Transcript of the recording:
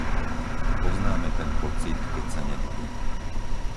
Poznáme ten pocit, keď sa nedarí.